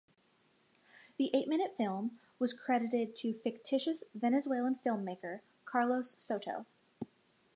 The eight-minute film was credited to fictitious Venezuelan filmmaker Carlos Soto.